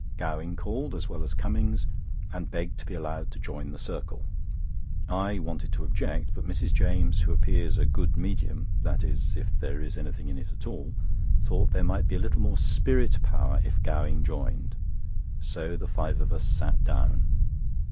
Gowing called, as well as Cummings, and begged to be allowed to join the circle. I wanted to object, but Mrs. James, who appears a good Medium (that is, if there is anything in it at all), thought there might be a little more spirit power if Gowing joined; so the five of us sat down.